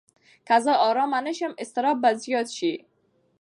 که زه ارامه نه شم، اضطراب به زیات شي.